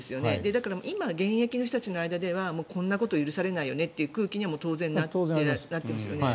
だから今、現役の人たちの間ではこんなこと許されないよねって空気に当然なってますよね。